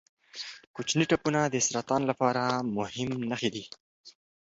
کوچني ټپونه د سرطان لپاره مهم نښې دي.